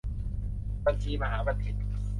บัญชีมหาบัณฑิต